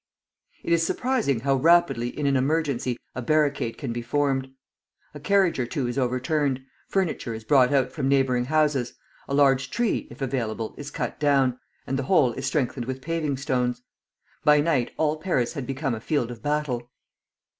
It is surprising how rapidly in an emergency a barricade can be formed. A carriage or two is overturned, furniture is brought out from neighboring houses, a large tree, if available, is cut down, and the whole is strengthened with paving stones. By night all Paris had become a field of battle.